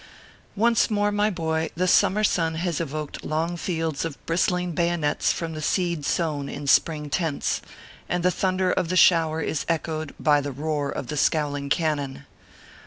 ONCE more, my boy, the summer sun lias evoked long fields of bristling bayonets from the seed sown in spring tents, and the thunder of the shower is echoed by the roar of the scowling cannon.